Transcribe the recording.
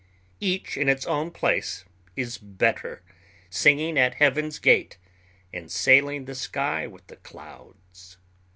Each in its own place is better, singing at heaven's gate, and sailing the sky with the clouds.